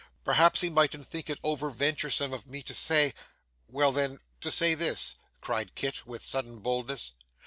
'Perhaps he mightn't think it over venturesome of me to say well then, to say this,' cried Kit with sudden boldness.